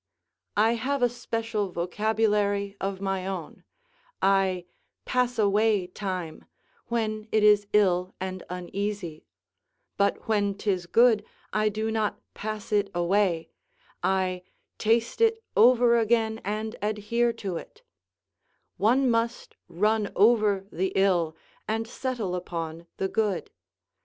I have a special vocabulary of my own; I "pass away time," when it is ill and uneasy, but when 'tis good I do not pass it away: "I taste it over again and adhere to it"; one must run over the ill and settle upon the good.